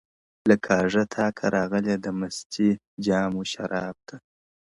o له کاږه تاکه راغلې ده مستي جام و شراب ته,